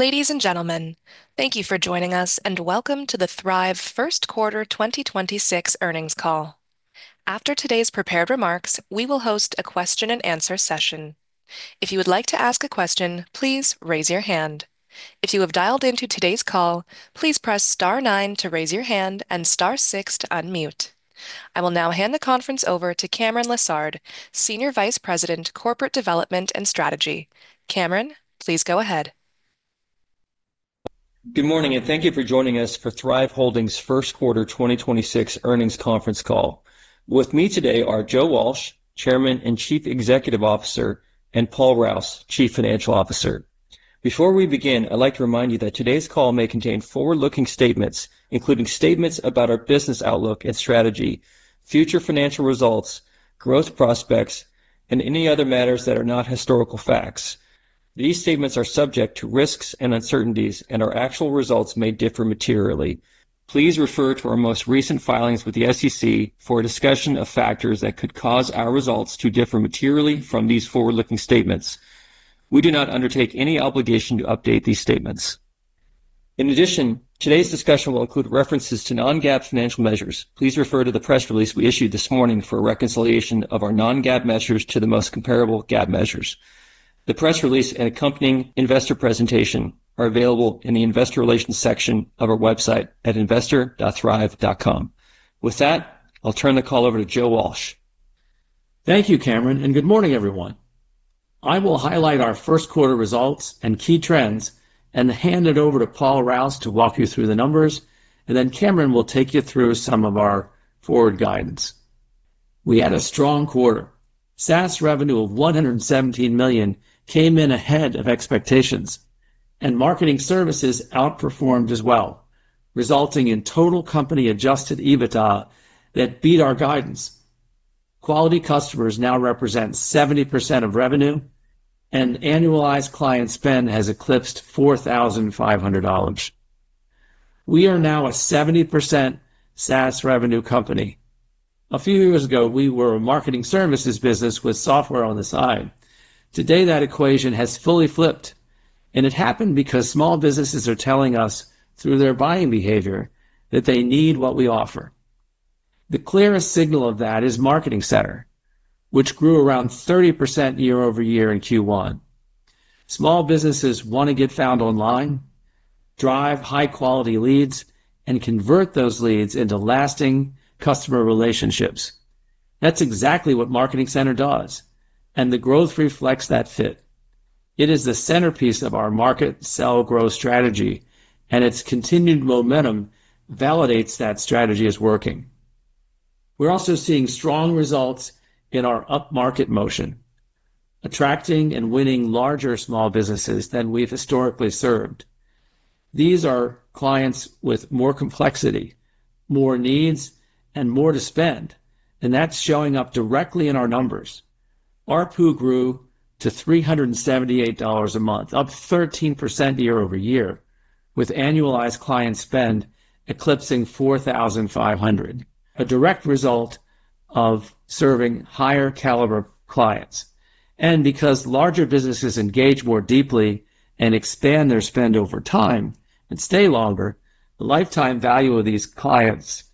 Ladies and gentlemen, thank you for joining us, and welcome to the Thryv First Quarter 2026 Earnings Call. After today's prepared remarks, we will host a question and answer session. If you would like to ask a question, please raise your hand. If you have dialed into today's call, please press star nine to raise your hand and star six to unmute. I will now hand the conference over to Cameron Lessard, Senior Vice President, Corporate Development and Strategy. Cameron, please go ahead. Good morning, thank you for joining us for Thryv Holdings' first quarter 2026 earnings conference call. With me today are Joe Walsh, Chairman and Chief Executive Officer, and Paul Rouse, Chief Financial Officer. Before we begin, I'd like to remind you that today's call may contain forward-looking statements, including statements about our business outlook and strategy, future financial results, growth prospects, and any other matters that are not historical facts. These statements are subject to risks and uncertainties, and our actual results may differ materially. Please refer to our most recent filings with the SEC for a discussion of factors that could cause our results to differ materially from these forward-looking statements. We do not undertake any obligation to update these statements. In addition, today's discussion will include references to non-GAAP financial measures. Please refer to the press release we issued this morning for a reconciliation of our non-GAAP measures to the most comparable GAAP measures. The press release and accompanying investor presentation are available in the investor relations section of our website at investor.thryv.com. With that, I'll turn the call over to Joe Walsh. Thank you, Cameron, and good morning, everyone. I will highlight our first quarter results and key trends and hand it over to Paul Rouse to walk you through the numbers, and then Cameron will take you through some of our forward guidance. We had a strong quarter. SaaS revenue of $117 million came in ahead of expectations, and marketing services outperformed as well, resulting in total company Adjusted EBITDA that beat our guidance. Quality customers now represent 70% of revenue, and annualized client spend has eclipsed $4,500. We are now a 70% SaaS revenue company. A few years ago, we were a marketing services business with software on the side. Today, that equation has fully flipped, and it happened because small businesses are telling us through their buying behavior that they need what we offer. The clearest signal of that is Marketing Center, which grew around 30% year-over-year in Q1. Small businesses wanna get found online, drive high-quality leads, and convert those leads into lasting customer relationships. That's exactly what Marketing Center does. The growth reflects that fit. It is the centerpiece of our Market, Sell, and Grow strategy. Its continued momentum validates that strategy is working. We're also seeing strong results in our up-market motion, attracting and winning larger small businesses than we've historically served. These are clients with more complexity, more needs, and more to spend. That's showing up directly in our numbers. ARPU grew to $378 a month, up 13% year-over-year, with annualized client spend eclipsing $4,500, a direct result of serving higher caliber clients. Because larger businesses engage more deeply and expand their spend over time and stay longer, the lifetime value of these clients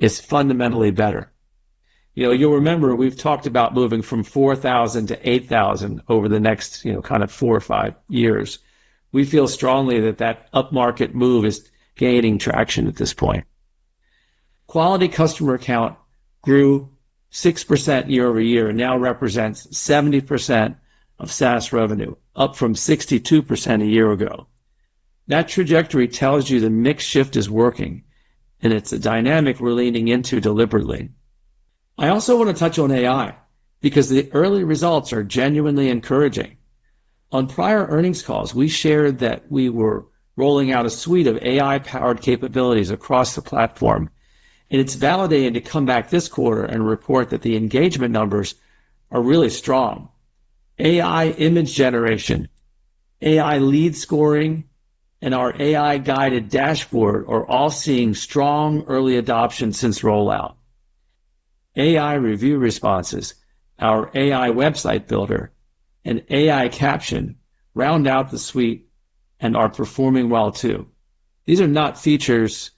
is fundamentally better. You know, you'll remember we've talked about moving from 4,000 to 8,000 over the next, you know, kind of four or five years. We feel strongly that that up-market move is gaining traction at this point. Quality customer count grew 6% year-over-year and now represents 70% of SaaS revenue, up from 62% a year ago. That trajectory tells you the mix shift is working, and it's a dynamic we're leaning into deliberately. I also wanna touch on AI, because the early results are genuinely encouraging. On prior earnings calls, we shared that we were rolling out a suite of AI-powered capabilities across the platform, and it's validating to come back this quarter and report that the engagement numbers are really strong. AI image generation, AI lead scoring, and our AI-guided dashboard are all seeing strong early adoption since rollout. AI review responses, our AI website builder, and AI caption round out the suite and are performing well too. These are not features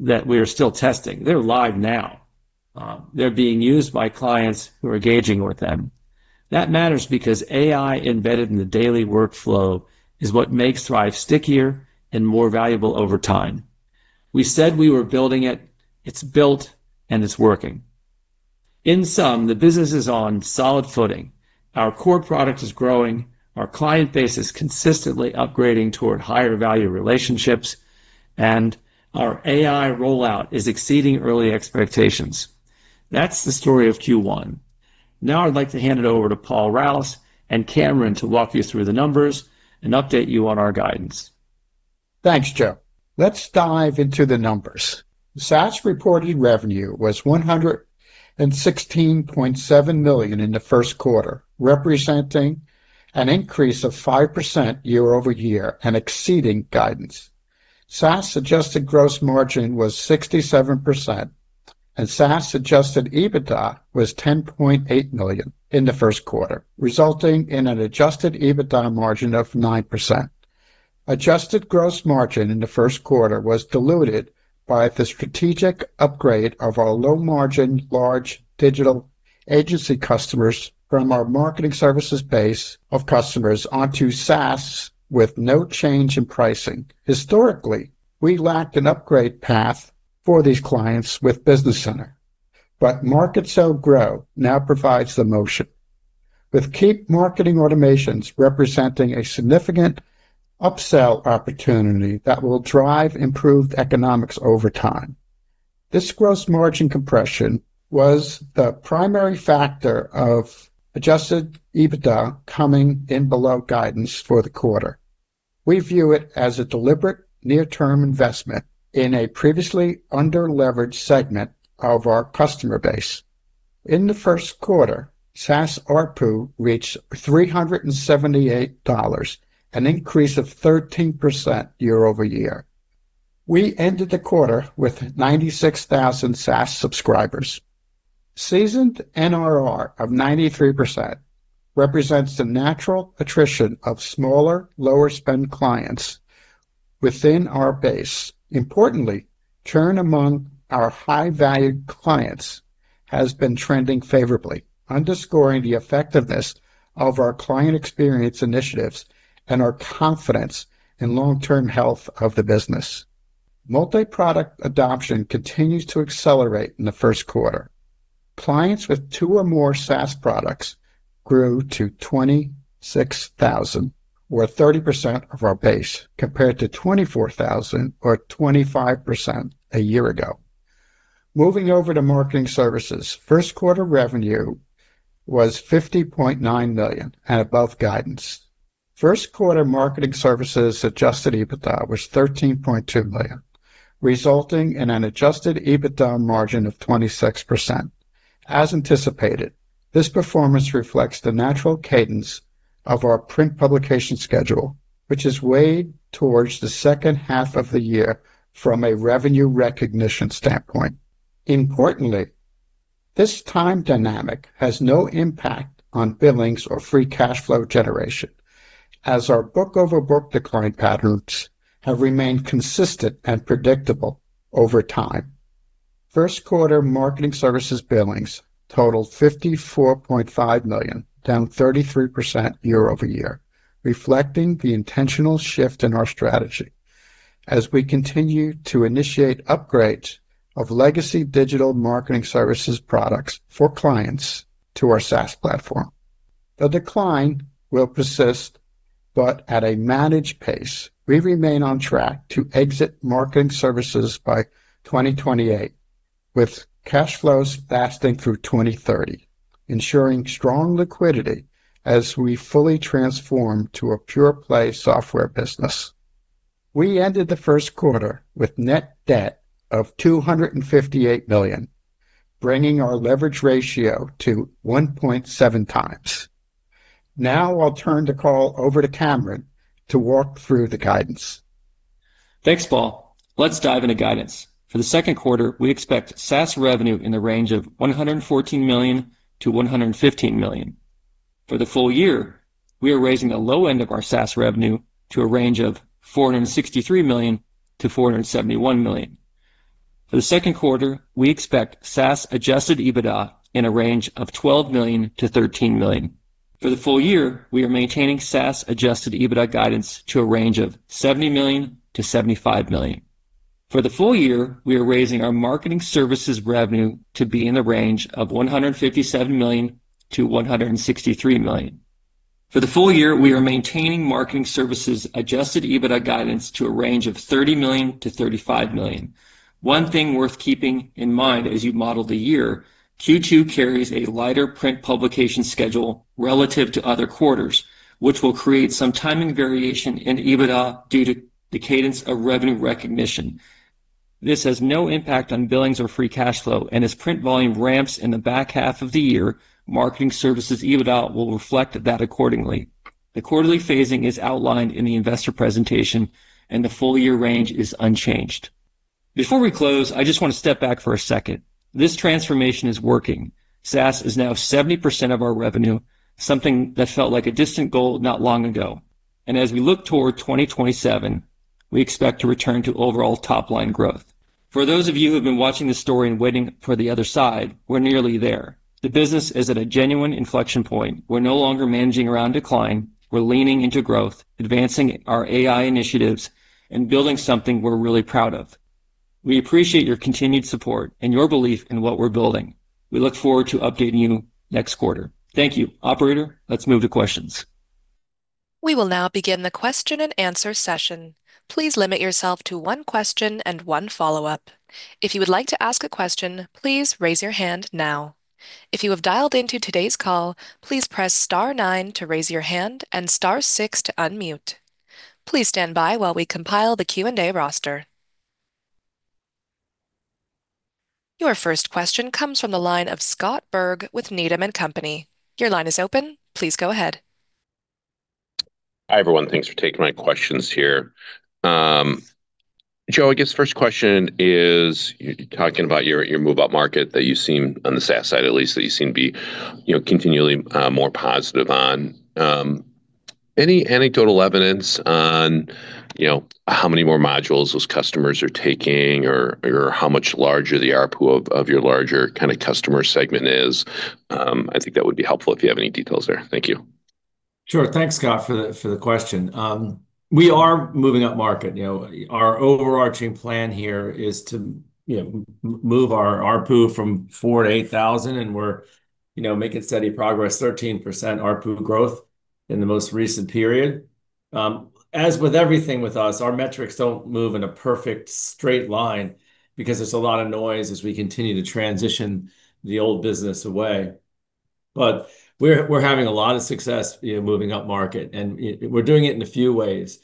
that we are still testing. They're live now. They're being used by clients who are engaging with them. That matters because AI embedded in the daily workflow is what makes Thryv stickier and more valuable over time. We said we were building it. It's built, and it's working. In sum, the business is on solid footing. Our core product is growing, our client base is consistently upgrading toward higher value relationships, and our AI rollout is exceeding early expectations. That's the story of Q1. Now I'd like to hand it over to Paul Rouse and Cameron to walk you through the numbers and update you on our guidance. Thanks, Joe. Let's dive into the numbers. SaaS reported revenue was $116.7 million in the first quarter, representing an increase of 5% year-over-year and exceeding guidance. SaaS adjusted gross margin was 67%. SaaS Adjusted EBITDA was $10.8 million in the first quarter, resulting in an Adjusted EBITDA margin of 9%. Adjusted gross margin in the first quarter was diluted by the strategic upgrade of our low-margin large digital agency customers from our Marketing Services base of customers onto SaaS with no change in pricing. Historically, we lacked an upgrade path for these clients with Business Center, but Market, Sell, and Grow now provides the motion, with Keap marketing automations representing a significant upsell opportunity that will drive improved economics over time. This gross margin compression was the primary factor of Adjusted EBITDA coming in below guidance for the quarter. We view it as a deliberate near-term investment in a previously under-leveraged segment of our customer base. In the first quarter, SaaS ARPU reached $378, an increase of 13% year-over-year. We ended the quarter with 96,000 SaaS subscribers. Seasoned NRR of 93% represents the natural attrition of smaller, lower-spend clients within our base. Importantly, churn among our high-value clients has been trending favorably, underscoring the effectiveness of our client experience initiatives and our confidence in long-term health of the business. Multi-product adoption continues to accelerate in the first quarter. Clients with two or more SaaS products grew to 26,000, or 30% of our base, compared to 24,000 or 25% a year ago. Moving over to Marketing Services, first quarter revenue was $50.9 million and above guidance. First quarter Marketing Services Adjusted EBITDA was $13.2 million, resulting in an Adjusted EBITDA margin of 26%. As anticipated, this performance reflects the natural cadence of our print publication schedule, which is weighed towards the second half of the year from a revenue recognition standpoint. Importantly, this time dynamic has no impact on billings or free cash flow generation, as our book-over-book decline patterns have remained consistent and predictable over time. First quarter Marketing Services billings totaled $54.5 million, down 33% year-over-year, reflecting the intentional shift in our strategy as we continue to initiate upgrades of legacy digital Marketing Services products for clients to our SaaS platform. The decline will persist, but at a managed pace. We remain on track to exit marketing services by 2028, with cash flows lasting through 2030, ensuring strong liquidity as we fully transform to a pure play software business. We ended the first quarter with net debt of $258 million, bringing our leverage ratio to 1.7x. I'll turn the call over to Cameron to walk through the guidance. Thanks, Paul. Let's dive into guidance. For the second quarter, we expect SaaS revenue in the range of $114-115 million. For the full year, we are raising the low end of our SaaS revenue to a range of $463-471 million. For the second quarter, we expect SaaS Adjusted EBITDA in a range of $12-13 million. For the full year, we are maintaining SaaS Adjusted EBITDA guidance to a range of $70-75 million. For the full year, we are raising our Marketing Services revenue to be in the range of $157-163 million. For the full year, we are maintaining Marketing Services Adjusted EBITDA guidance to a range of $30-35 million. One thing worth keeping in mind as you model the year, Q2 carries a lighter print publication schedule relative to other quarters, which will create some timing variation in EBITDA due to the cadence of revenue recognition. This has no impact on billings or free cash flow, and as print volume ramps in the back half of the year, Marketing Services EBITDA will reflect that accordingly. The quarterly phasing is outlined in the investor presentation, and the full year range is unchanged. Before we close, I just want to step back for a second. This transformation is working. SaaS is now 70% of our revenue, something that felt like a distant goal not long ago. As we look toward 2027, we expect to return to overall top-line growth. For those of you who've been watching this story and waiting for the other side, we're nearly there. The business is at a genuine inflection point. We're no longer managing around decline. We're leaning into growth, advancing our AI initiatives, and building something we're really proud of. We appreciate your continued support and your belief in what we're building. We look forward to updating you next quarter. Thank you. Operator, let's move to questions. We will now begin the question and answer session. Please limit yourself to one question and one follow-up. If you would like to ask a question, please raise your hand now. If you have dialed into today's call, please press star nine to raise your hand and star six to unmute. Please stand by while we compile the Q&A roster. Your first question comes from the line of Scott Berg with Needham & Company. Your line is open. Please go ahead. Hi, everyone. Thanks for taking my questions here. Joe, I guess first question is talking about your move-up market that you seem, on the SaaS side at least, that you seem to be, you know, continually more positive on. Any anecdotal evidence on, you know, how many more modules those customers are taking or how much larger the ARPU of your larger kinda customer segment is? I think that would be helpful if you have any details there. Thank you. Sure. Thanks, Scott, for the question. We are moving upmarket. You know, our overarching plan here is to, you know, move our ARPU from $4,000-$8,000, and we're, you know, making steady progress, 13% ARPU growth in the most recent period. As with everything with us, our metrics don't move in a perfect straight line because there's a lot of noise as we continue to transition the old business away. We're having a lot of success, you know, moving upmarket, and we're doing it in a few ways.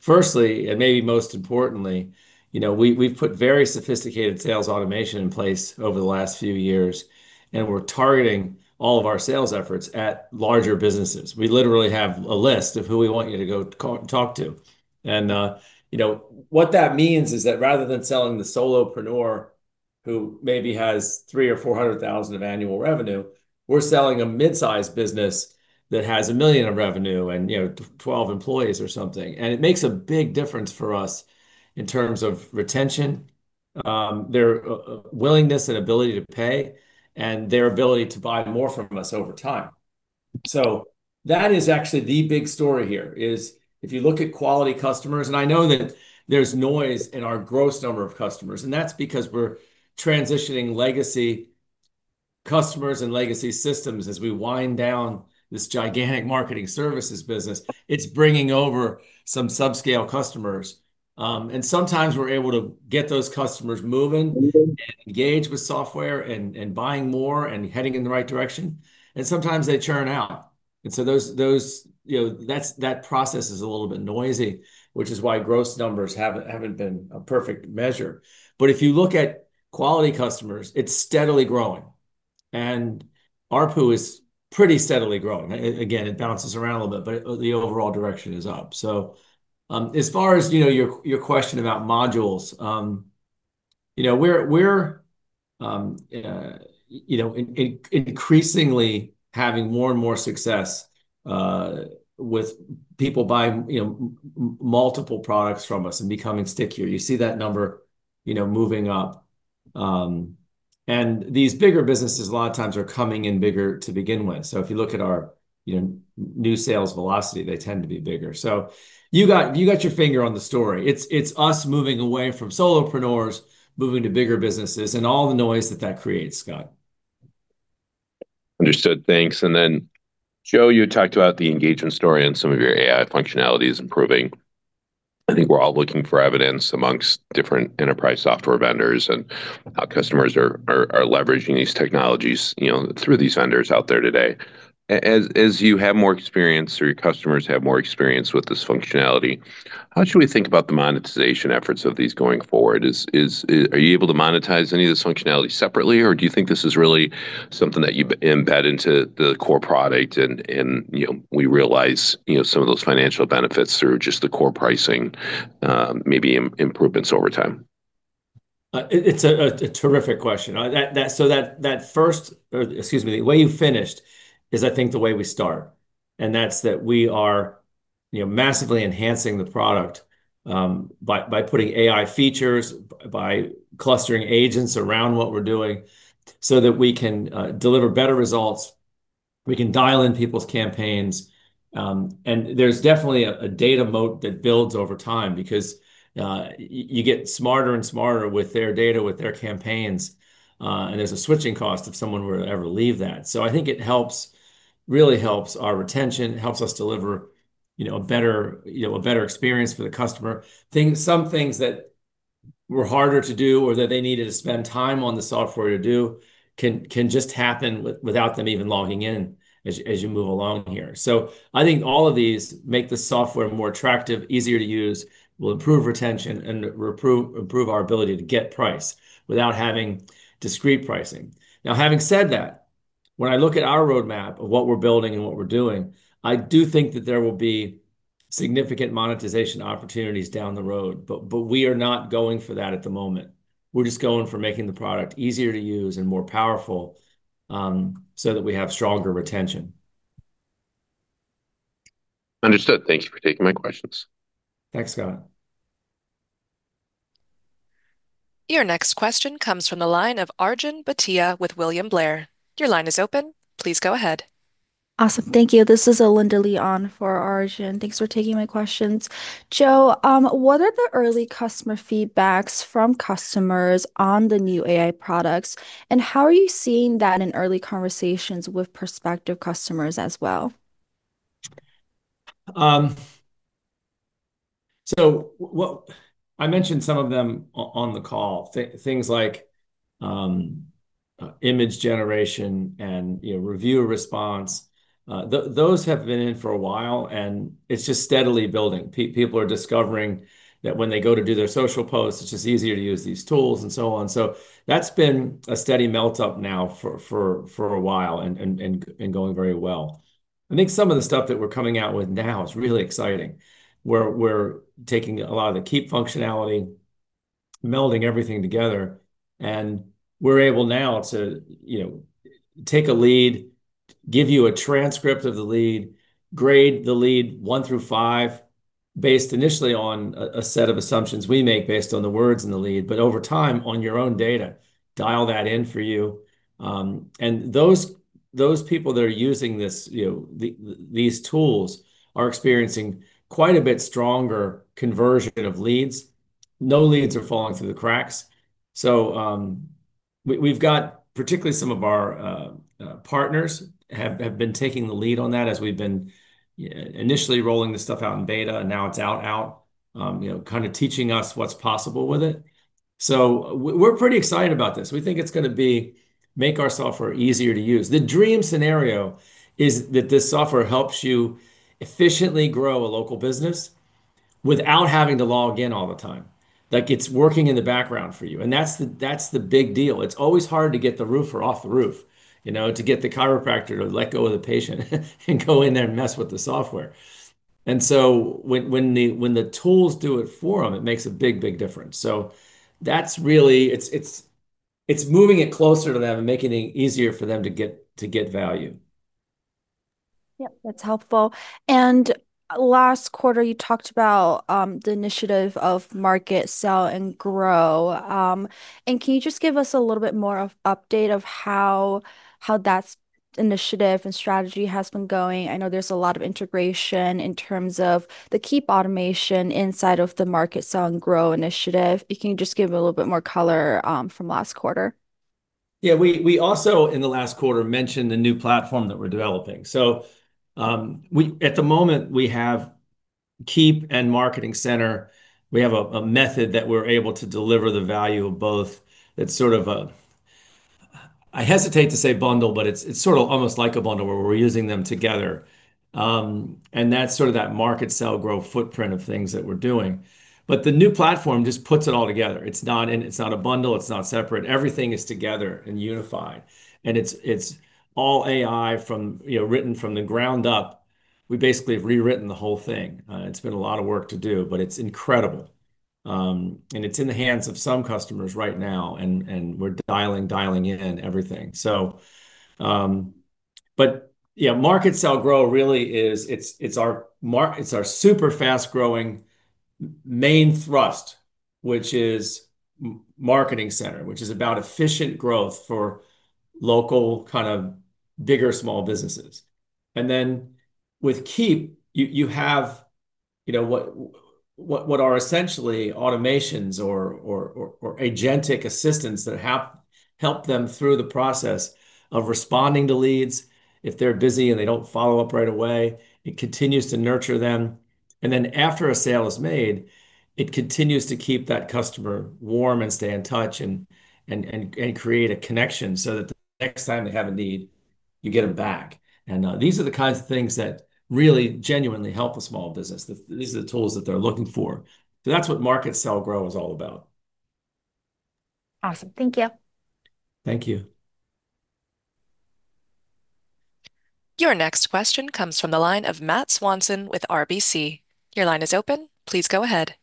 Firstly, and maybe most importantly, you know, we've put very sophisticated sales automation in place over the last few years, and we're targeting all of our sales efforts at larger businesses. We literally have a list of who we want you to go talk to. You know, what that means is that rather than selling the solopreneur who maybe has $300,000 or $400,000 of annual revenue, we're selling a mid-sized business that has $1 million of revenue and, you know, 12 employees or something. It makes a big difference for us in terms of retention, their willingness and ability to pay, and their ability to buy more from us over time. That is actually the big story here is if you look at quality customers, and I know that there's noise in our gross number of customers, and that's because we're transitioning legacy customers and legacy systems as we wind down this gigantic marketing services business. It's bringing over some subscale customers. Sometimes we're able to get those customers moving and engage with software and buying more and heading in the right direction, and sometimes they churn out. Those, you know, that process is a little bit noisy, which is why gross numbers haven't been a perfect measure. If you look at quality customers, it's steadily growing, and ARPU is pretty steadily growing. Again, it bounces around a little bit, but the overall direction is up. As far as, you know, your question about modules, you know, we're, you know, increasingly having more and more success with people buying, you know, multiple products from us and becoming stickier. You see that number, you know, moving up. These bigger businesses a lot of times are coming in bigger to begin with. If you look at our, you know, new sales velocity, they tend to be bigger. You got your finger on the story. It's us moving away from solopreneurs, moving to bigger businesses and all the noise that creates, Scott. Understood. Thanks. Joe, you talked about the engagement story and some of your AI functionality is improving. I think we're all looking for evidence amongst different enterprise software vendors and how customers are leveraging these technologies, you know, through these vendors out there today. As you have more experience or your customers have more experience with this functionality, how should we think about the monetization efforts of these going forward? Are you able to monetize any of this functionality separately, or do you think this is really something that you embed into the core product and, you know, we realize, you know, some of those financial benefits through just the core pricing, maybe improvements over time? It, it's a terrific question. The way you finished is, I think, the way we start, and that's that we are, you know, massively enhancing the product, by putting AI features, by clustering agents around what we're doing so that we can deliver better results. We can dial in people's campaigns. There's definitely a data moat that builds over time because you get smarter and smarter with their data, with their campaigns, and there's a switching cost if someone were to ever leave that. I think it helps, really helps our retention. It helps us deliver, you know, a better, you know, a better experience for the customer. Things, some things that were harder to do or that they needed to spend time on the software to do can just happen without them even logging in as you move along here. I think all of these make the software more attractive, easier to use, will improve retention and improve our ability to get price without having discrete pricing. Now, having said that, when I look at our roadmap of what we're building and what we're doing, I do think that there will be significant monetization opportunities down the road, but we are not going for that at the moment. We're just going for making the product easier to use and more powerful, so that we have stronger retention. Understood. Thank you for taking my questions. Thanks, Scott. Your next question comes from the line of Arjun Bhatia with William Blair. Your line is open. Please go ahead. Awesome. Thank you. This is Alinda Li on for Arjun. Thanks for taking my questions. Joe, what are the early customer feedbacks from customers on the new AI products, and how are you seeing that in early conversations with prospective customers as well? I mentioned some of them on the call. Things like, image generation and, you know, review response. Those have been in for a while, and it's just steadily building. People are discovering that when they go to do their social posts, it's just easier to use these tools and so on. That's been a steady melt up now for a while and going very well. I think some of the stuff that we're coming out with now is really exciting. We're taking a lot of the Keap functionality, melding everything together. We're able now to, you know, take a lead, give you a transcript of the lead, grade the lead one through five based initially on a set of assumptions we make based on the words in the lead, but over time, on your own data, dial that in for you. And those people that are using this, you know, these tools are experiencing quite a bit stronger conversion of leads. No leads are falling through the cracks. We've got particularly some of our partners have been taking the lead on that as we've been initially rolling this stuff out in beta, and now it's out, you know, kind of teaching us what's possible with it. We're pretty excited about this. We think it's gonna be, make our software easier to use. The dream scenario is that this software helps you efficiently grow a local business without having to log in all the time, that it's working in the background for you, and that's the big deal. It's always hard to get the roofer off the roof, you know, to get the chiropractor to let go of the patient and go in there and mess with the software. When the tools do it for them, it makes a big difference. That's really. It's moving it closer to them and making it easier for them to get value. Yeah, that's helpful. Last quarter you talked about the initiative of Market, Sell, and Grow. Can you just give us a little bit more of update of how that's initiative and strategy has been going? I know there's a lot of integration in terms of the Keap automation inside of the Market, Sell, and Grow initiative. Can you just give a little bit more color from last quarter? Yeah. We also, in the last quarter, mentioned the new platform that we're developing. At the moment, we have Keap and Marketing Center. We have a method that we're able to deliver the value of both. It's sort of a I hesitate to say bundle, but it's sort of almost like a bundle where we're using them together. That's sort of that Market, Sell, and Grow footprint of things that we're doing. The new platform just puts it all together. It's not a bundle, it's not separate. Everything is together and unified, and it's all AI from, you know, written from the ground up. We basically have rewritten the whole thing. It's been a lot of work to do, it's incredible. It's in the hands of some customers right now, and we're dialing in everything. Yeah, Market, Sell, and Grow really is, it's our super fast-growing main thrust, which is Marketing Center, which is about efficient growth for local, kind of bigger small businesses. With Keap, you have, you know, what are essentially automations or agentic assistants that help them through the process of responding to leads if they're busy and they don't follow up right away. It continues to nurture them. After a sale is made, it continues to keep that customer warm and stay in touch and create a connection so that the next time they have a need, you get them back. These are the kinds of things that really genuinely help a small business. These are the tools that they're looking for. That's what Market, Sell, and Grow is all about. Awesome. Thank you. Thank you. Your next question comes from the line of Matthew Swanson with RBC. Your line is open. Please go ahead.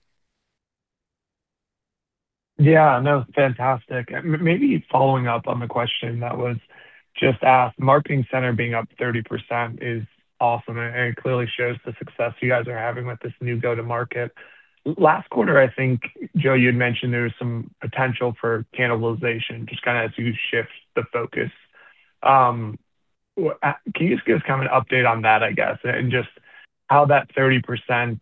No, fantastic. Maybe following up on the question that was just asked, Marketing Center being up 30% is awesome, and it clearly shows the success you guys are having with this new go-to-market. Last quarter, I think, Joe, you had mentioned there was some potential for cannibalization, just kinda as you shift the focus. Can you just give us kind of an update on that, I guess, and just how that 30%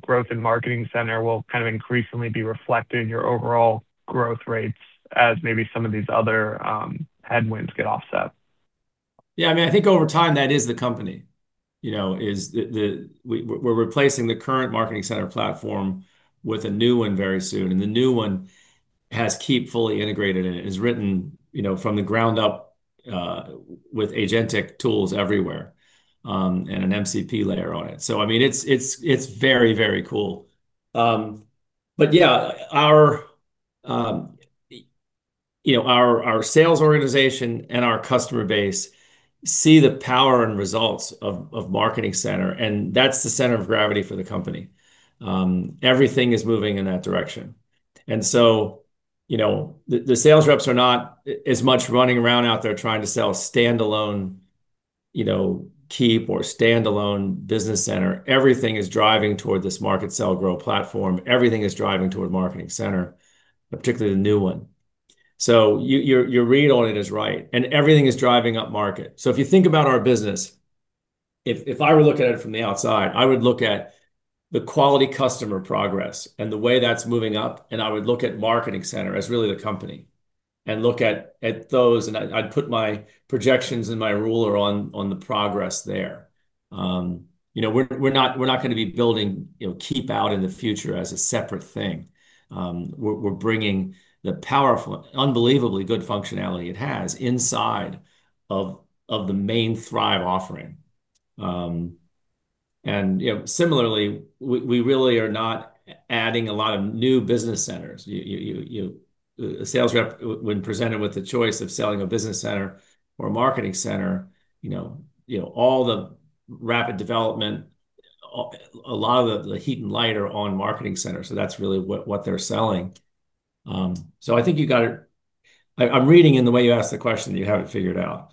growth in Marketing Center will kind of increasingly be reflected in your overall growth rates as maybe some of these other headwinds get offset? Yeah, I mean, I think over time, that is the company, you know. We're replacing the current Marketing Center platform with a new one very soon, and the new one has Keap fully integrated in it. It is written, you know, from the ground up, with agentic tools everywhere, and an MCP layer on it. I mean, it's very, very cool. Yeah. Our, you know, our sales organization and our customer base see the power and results of Marketing Center, and that's the center of gravity for the company. Everything is moving in that direction. You know, the sales reps are not as much running around out there trying to sell standalone, you know, Keap or standalone Business Center. Everything is driving toward this Market, Sell, and Grow platform. Everything is driving toward Marketing Center, particularly the new one. Your read on it is right, and everything is driving up market. If you think about our business, if I were looking at it from the outside, I would look at the quality customer progress and the way that's moving up, and I would look at Marketing Center as really the company and look at those, and I'd put my projections and my ruler on the progress there. You know, we're not going to be building, you know, Keap out in the future as a separate thing. We're bringing the powerful, unbelievably good functionality it has inside of the main Thryv offering. And you know, similarly, we really are not adding a lot of new business centers. A sales rep when presented with the choice of selling a Business Center or a Marketing Center, you know, you know, Rapid development, a lot of the heat and light are on Marketing Center. That's really what they're selling. I think you got it. I'm reading in the way you asked the question that you have it figured out.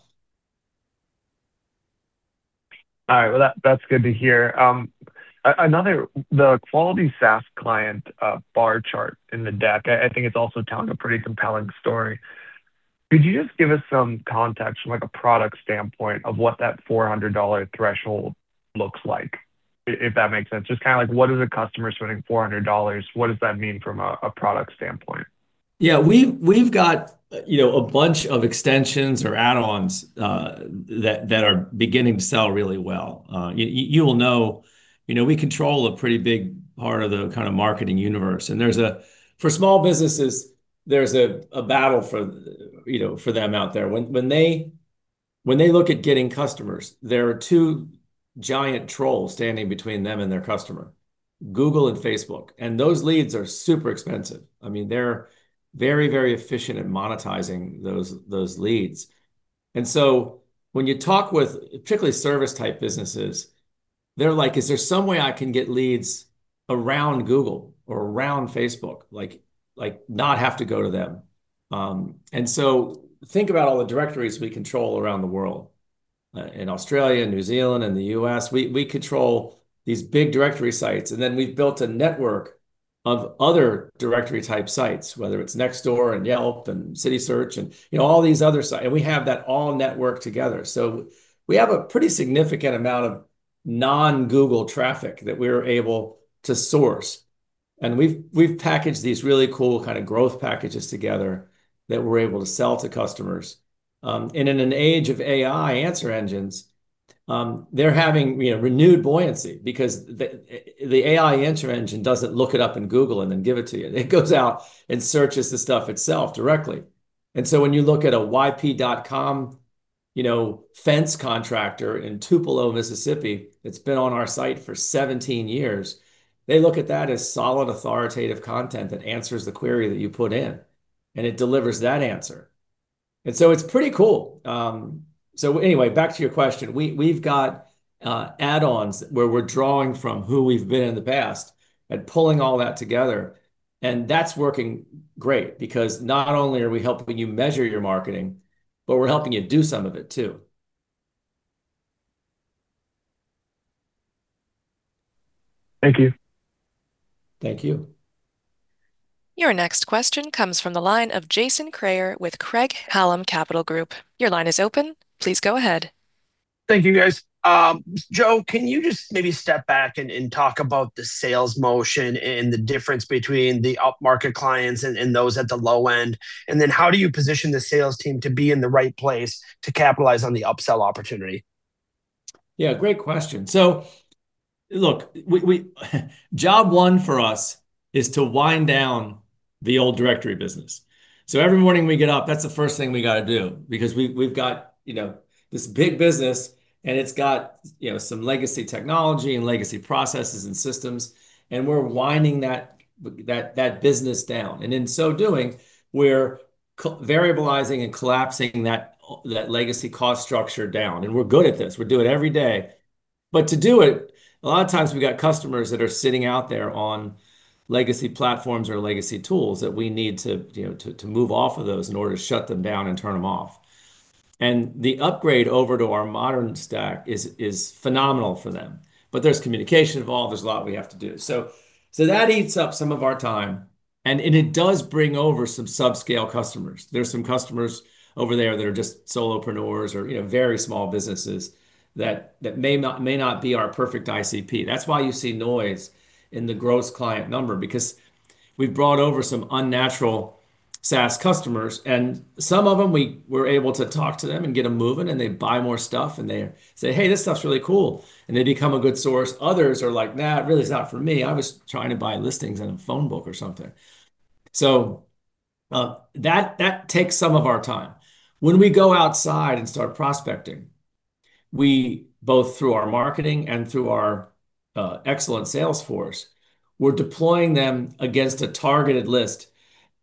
All right. Well, that's good to hear. Another. The quality SaaS client bar chart in the deck, I think it's also telling a pretty compelling story. Could you just give us some context from, like, a product standpoint of what that $400 threshold looks like, if that makes sense? Just kind of like what is a customer spending $400, what does that mean from a product standpoint? Yeah. We've got, you know, a bunch of extensions or add-ons that are beginning to sell really well. You will know, you know, we control a pretty big part of the kind of marketing universe. For small businesses, there's a battle for, you know, for them out there. When they look at getting customers, there are two giant trolls standing between them and their customer, Google and Facebook. Those leads are super expensive. I mean, they're very efficient at monetizing those leads. When you talk with particularly service-type businesses, they're like, "Is there some way I can get leads around Google or around Facebook, like not have to go to them?" Think about all the directories we control around the world, in Australia, New Zealand, and the U.S. We control these big directory sites, and then we've built a network of other directory-type sites, whether it's Nextdoor and Yelp and Citysearch and, you know, all these other site, and we have that all networked together. We have a pretty significant amount of non-Google traffic that we're able to source, and we've packaged these really cool kind of growth packages together that we're able to sell to customers. In an age of AI answer engines, they're having, you know, renewed buoyancy because the AI answer engine doesn't look it up in Google and then give it to you. It goes out and searches the stuff itself directly. When you look at a yp.com, you know, fence contractor in Tupelo, Mississippi, that's been on our site for 17 years, they look at that as solid, authoritative content that answers the query that you put in, it delivers that answer, it's pretty cool. Anyway, back to your question. We, we've got add-ons where we're drawing from who we've been in the past and pulling all that together, that's working great because not only are we helping you measure your marketing, but we're helping you do some of it, too. Thank you. Thank you. Your next question comes from the line of Jason Kreyer with Craig-Hallum Capital Group. Your line is open. Please go ahead. Thank you, guys. Joe, can you just maybe step back and talk about the sales motion and the difference between the upmarket clients and those at the low end? Then how do you position the sales team to be in the right place to capitalize on the upsell opportunity? Yeah, great question. Look. We, Job one for us is to wind down the old directory business. Every morning we get up, that's the first thing we gotta do because we've got, you know, this big business, and it's got, you know, some legacy technology and legacy processes and systems, and we're winding that business down. In so doing, we're variabilizing and collapsing that legacy cost structure down, and we're good at this. We do it every day. To do it, a lot of times we got customers that are sitting out there on legacy platforms or legacy tools that we need to, you know, to move off of those in order to shut them down and turn them off. The upgrade over to our modern stack is phenomenal for them, but there's communication involved. There's a lot we have to do. That eats up some of our time, and it does bring over some sub-scale customers. There's some customers over there that are just solopreneurs or, you know, very small businesses that may not be our perfect ICP. That's why you see noise in the gross client number because we've brought over some unnatural SaaS customers, and some of them we were able to talk to them and get them moving, and they buy more stuff, and they say, "Hey, this stuff's really cool," and they become a good source. Others are like, "Nah, really is not for me. I was trying to buy listings in a phone book or something." That takes some of our time. When we go outside and start prospecting, we, both through our marketing and through our excellent sales force, we're deploying them against a targeted list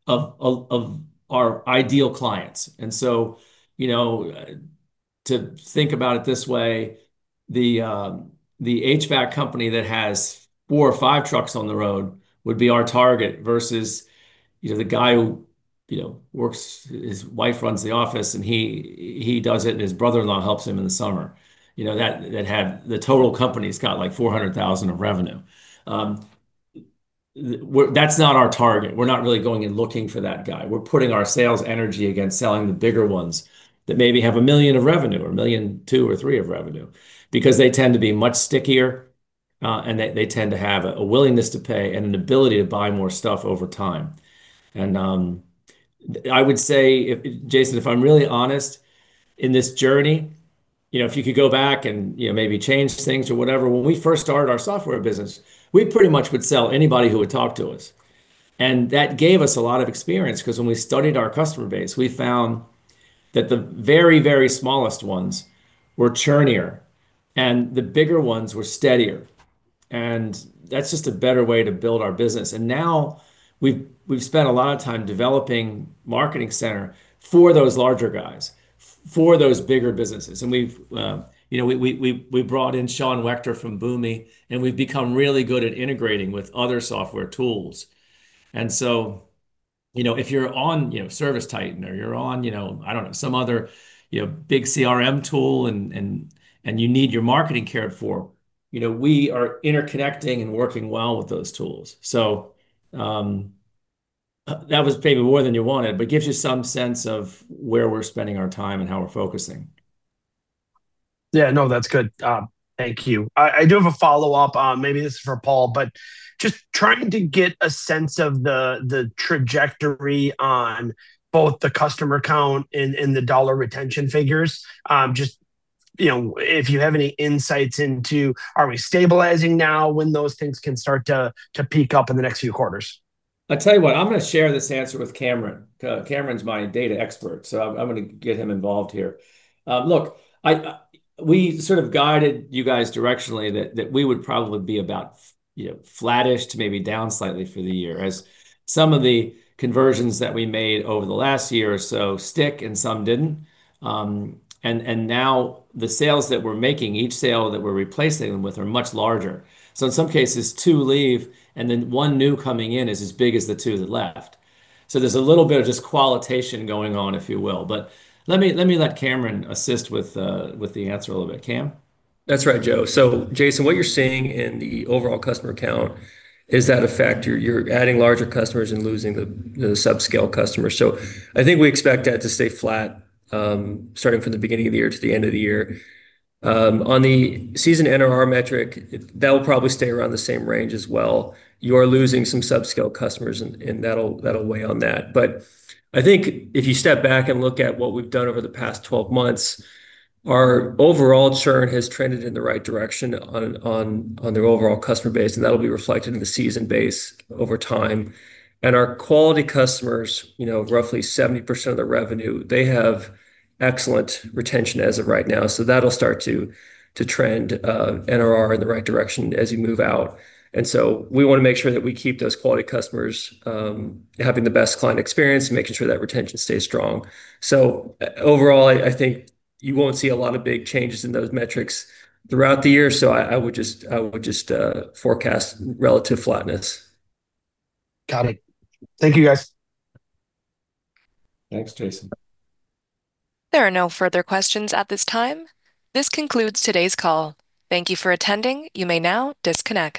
of our ideal clients. You know, to think about it this way, the HVAC company that has four or five trucks on the road would be our target versus, you know, the guy who, you know, his wife runs the office, and he does it, and his brother-in-law helps him in the summer. You know, the total company's got, like, $400,000 of revenue. That's not our target. We're not really going and looking for that guy. We're putting our sales energy against selling the bigger ones that maybe have $1 million of revenue or $1.2 million or $1.3 million of revenue because they tend to be much stickier, and they tend to have a willingness to pay and an ability to buy more stuff over time. I would say if, Jason, if I'm really honest, in this journey, you know, if you could go back and, you know, maybe change things or whatever, when we first started our software business, we pretty much would sell anybody who would talk to us, and that gave us a lot of experience. Because when we studied our customer base, we found that the very, very smallest ones were churnier, and the bigger ones were steadier. That's just a better way to build our business. Now we've spent a lot of time developing Marketing Center for those larger guys, for those bigger businesses. We've, you know, we brought in Sean Wechter from Boomi, and we've become really good at integrating with other software tools. You know, if you're on, you know, ServiceTitan or you're on, you know, I don't know, some other, you know, big CRM tool and you need your marketing cared for, you know, we are interconnecting and working well with those tools. That was maybe more than you wanted, but gives you some sense of where we're spending our time and how we're focusing. Yeah, no, that's good. Thank you. I do have a follow-up. Maybe this is for Paul, but just trying to get a sense of the trajectory on both the customer count and the dollar retention figures. Just, you know, if you have any insights into are we stabilizing now, when those things can start to peak up in the next few quarters? I'll tell you what, I'm gonna share this answer with Cameron. Cameron's my data expert, so I'm gonna get him involved here. Look, I, we sort of guided you guys directionally that we would probably be about, you know, flattish to maybe down slightly for the year as some of the conversions that we made over the last year or so stick, and some didn't. Now the sales that we're making, each sale that we're replacing them with are much larger. In some cases two leave, and then one new coming in is as big as the two that left. There's a little bit of just qualitation going on, if you will. Let me let Cameron assist with the answer a little bit. Cam? That's right, Joe. Jason, what you're seeing in the overall customer count is that effect. You're adding larger customers and losing the sub-scale customers. I think we expect that to stay flat, starting from the beginning of the year to the end of the year. On the seasoned NRR metric, that'll probably stay around the same range as well. You are losing some sub-scale customers and that'll weigh on that. I think if you step back and look at what we've done over the past 12 months, our overall churn has trended in the right direction on the overall customer base, and that'll be reflected in the seasoned base over time. Our quality customers, you know, roughly 70% of the revenue, they have excellent retention as of right now, so that'll start to trend NRR in the right direction as you move out. We wanna make sure that we keep those quality customers having the best client experience and making sure that retention stays strong. Overall, I think you won't see a lot of big changes in those metrics throughout the year, so I would just forecast relative flatness. Got it. Thank you, guys. Thanks, Jason. There are no further questions at this time. This concludes today's call. Thank you for attending. You may now disconnect.